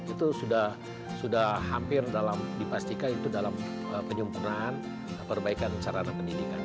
itu sudah hampir dalam dipastikan itu dalam penyempurnaan perbaikan sarana pendidikan